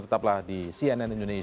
tetaplah di cnn indonesia prime news